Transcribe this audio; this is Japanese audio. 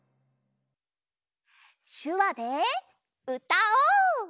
しゅわでうたおう！